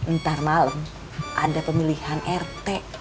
ntar malam ada pemilihan rt